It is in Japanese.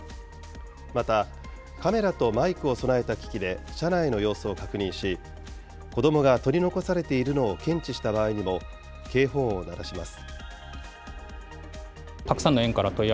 また、カメラとマイクを備えた機器で、車内の様子を確認し、子どもが取り残されているのを検知した場合にも、警報音を鳴らします。